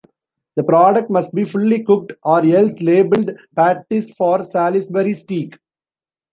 The product must be fully cooked, or else labelled "Patties for Salisbury Steak".